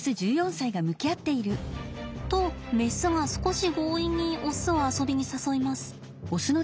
とメスが少し強引にオスを遊びに誘います。